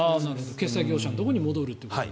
決済業者のところに戻ると。